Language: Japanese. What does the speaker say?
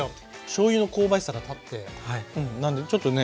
しょうゆの香ばしさが立ってなんでちょっとね